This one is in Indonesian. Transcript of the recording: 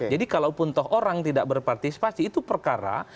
jadi kalau pun toh orang tidak berpartisipasi itu perkara